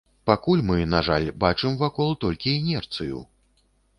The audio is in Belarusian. Пакуль мы, на жаль, бачым вакол толькі інерцыю.